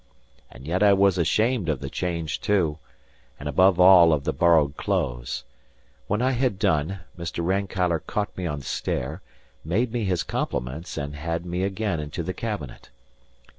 And yet I was ashamed of the change too, and, above all, of the borrowed clothes. When I had done, Mr. Rankeillor caught me on the stair, made me his compliments, and had me again into the cabinet.